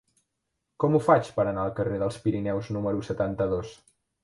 Com ho faig per anar al carrer dels Pirineus número setanta-dos?